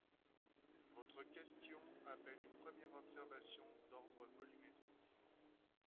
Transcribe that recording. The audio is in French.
Votre question appelle une première observation d’ordre volumétrique.